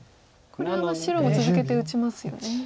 これ白も続けて打ちますよね。